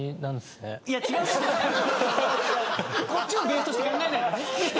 こっちをベースとして考えないでね。